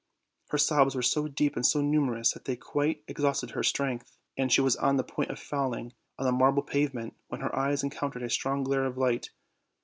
Her sobs were so deep and so numerous that they quite exhausted her strength, and she was on the point of falling on the marble pave ment, when her eyes encountered a strong glare of light.